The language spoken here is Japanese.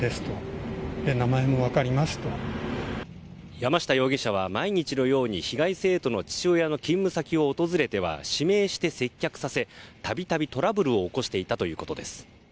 山下容疑者は、毎日のように被害生徒の父親の勤務先を訪れては指名して接客させたびたびトラブルを起こしていたということです。